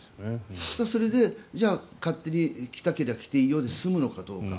それでじゃあ勝手に来たければ来ていいよで済むのかどうか。